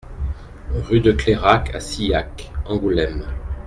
Rue de Clérac à Sillac, Angoulême